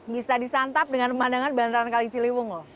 bisa disantap dengan pemandangan bantaran kaliciliwung loh